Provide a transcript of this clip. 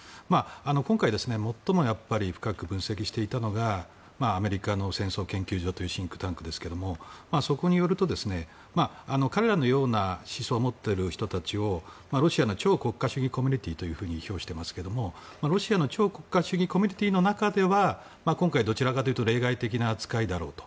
今回、最も深く分析していたのがアメリカの戦争研究所というシンクタンクですがそこによると彼らのような思想を持っている人たちをロシアの超国家主義コミュニティーと評していますがロシアの超国家主義コミュニティーの中では今回どちらかというと例外的な扱いだろうと。